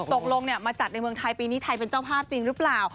ตกลงมาจัดในเมืองไทยปีนี้ไทยเป็นเจ้าภาพจริงหรือเปล่า